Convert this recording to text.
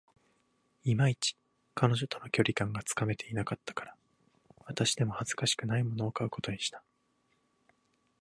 いまいち、彼女との距離感がつかめていなかったから、渡しても恥ずかしくないものを買うことにした